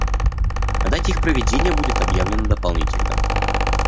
О дате их проведения будет объявлено дополнительно.